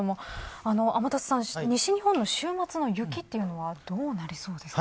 天達さん、西日本の週末の雪はどうなりそうですか。